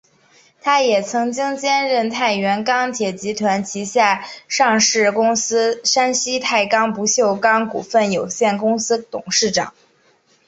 他也曾经兼任太原钢铁集团旗下上市公司山西太钢不锈钢股份有限公司董事长。